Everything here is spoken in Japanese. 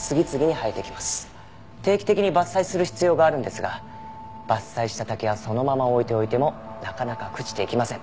定期的に伐採する必要があるんですが伐採した竹はそのまま置いておいてもなかなか朽ちていきません。